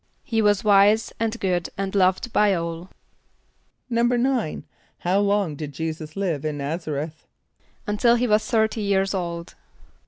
=He was wise, and good, and loved by all.= =9.= How long did J[=e]´[s+]us live in N[)a]z´a r[)e]th? =Until he was thirty years old.